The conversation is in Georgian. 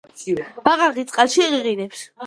ბაყაყი წყალში ყიყინებს